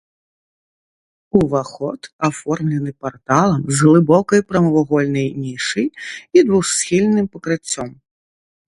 Уваход аформлены парталам з глыбокай прамавугольнай нішай і двухсхільным пакрыццём.